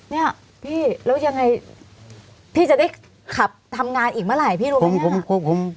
เนี่ยพี่แล้วยังไงพี่จะได้ขับทำงานอีกเมื่อไหร่พี่รู้ไหม